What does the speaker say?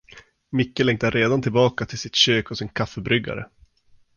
Micke längtar redan tillbaka till sitt kök och sin kaffebryggare.